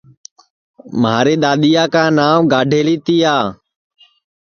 مھاری دؔادؔیا کا نانٚو گاڈؔیلی تِیا